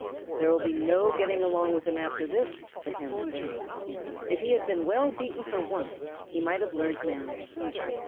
"There will be no getting along with him at all after this," the Hens said. "If he had been well beaten for once, he might have learned manners."